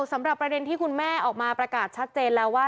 สำหรับประเด็นที่คุณแม่ออกมาประกาศชัดเจนแล้วว่า